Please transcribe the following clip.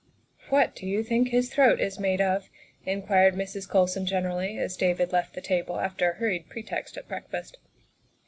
" What do you think his throat is made of?" in quired Mrs. Colson generally, as David left the table after a hurried pretext at breakfast.